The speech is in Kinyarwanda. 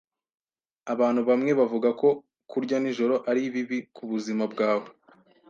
Abantu bamwe bavuga ko kurya nijoro ari bibi kubuzima bwawe.